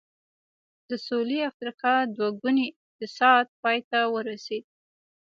د سوېلي افریقا دوه ګونی اقتصاد پای ته ورسېد.